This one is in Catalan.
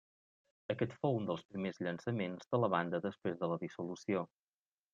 Aquest fou un dels primers llançaments de la banda després de la dissolució.